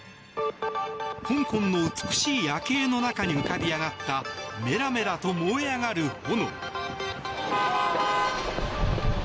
香港の美しい夜景の中に浮かび上がったメラメラと燃え上がる炎。